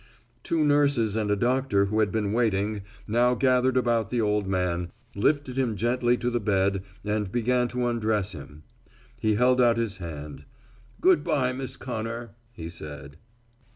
Two nurses and a doctor who had been waiting now gathered about the old man, lifted him gently to the bed and began to undress him. He held out his hand. "Good bye, Miss Connor," he said.